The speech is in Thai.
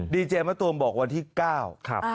ดีเจมส์มาตรวมบอกวันที่๙ครับ